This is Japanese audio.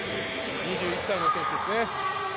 ２１歳の選手ですね。